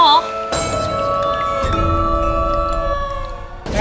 มากนะ